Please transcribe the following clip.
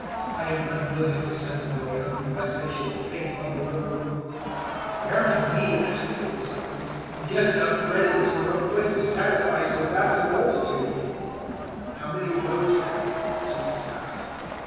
I am unwilling to send them away hungry, lest they should faint on the road." 015:033 "Where can we," asked the disciples, "get bread enough in this remote place to satisfy so vast a multitude?" 015:034 "How many loaves have you?" Jesus asked.